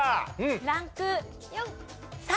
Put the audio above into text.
ランク３。